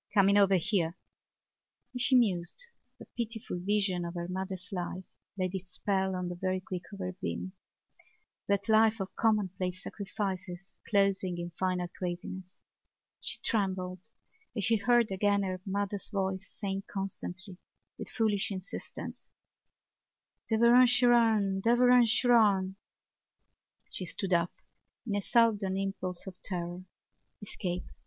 coming over here!" As she mused the pitiful vision of her mother's life laid its spell on the very quick of her being—that life of commonplace sacrifices closing in final craziness. She trembled as she heard again her mother's voice saying constantly with foolish insistence: "Derevaun Seraun! Derevaun Seraun!" She stood up in a sudden impulse of terror. Escape!